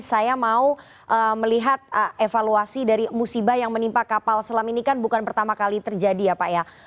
saya mau melihat evaluasi dari musibah yang menimpa kapal selam ini kan bukan pertama kali terjadi ya pak ya